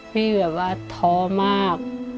พี่แบบว่าท้อมาก